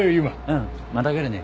うんまた来るね。